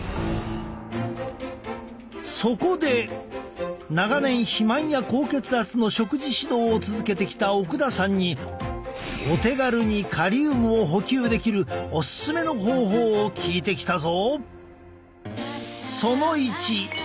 そこで長年肥満や高血圧の食事指導を続けてきた奥田さんにお手軽にカリウムを補給できるオススメの方法を聞いてきたぞ！